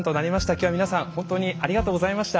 今日は皆さん本当にありがとうございました。